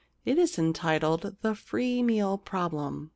It is entitled The Free Meal Problem."